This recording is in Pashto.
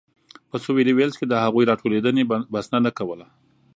په سوېلي ویلز کې د هغوی راټولېدنې بسنه نه کوله.